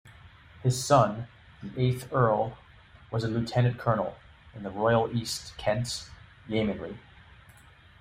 His son, the eighth Earl, was a Lieutenant-Colonel in the Royal East Kent Yeomanry.